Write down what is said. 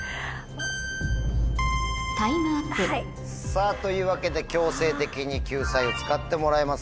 さぁというわけで強制的に救済を使ってもらいます。